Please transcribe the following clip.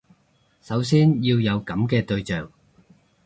首先要有噉嘅對象